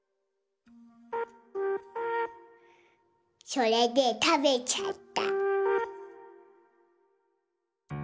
それでたべちゃった。